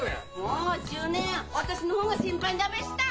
もう１０年私の方が先輩だべした。